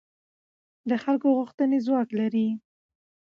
د خلکو غوښتنې ځواک لري